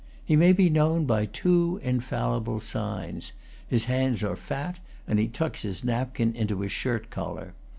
He may be known by two infallible signs, his hands are fat, and he tucks his napkin into his shirt collar.